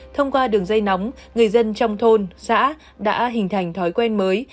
thông qua đường dây nóng người dân trong thôn xã đã hình thành thói quen mới